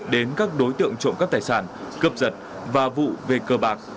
đến các đối tượng trộm các tài sản cấp giật và vụ về cờ bạc